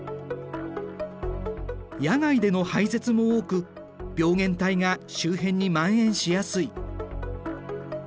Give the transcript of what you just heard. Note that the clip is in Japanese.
野外での排せつも多く病原体が周辺にまん延しやすい。